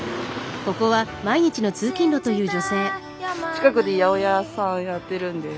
近くで八百屋さんやってるんで。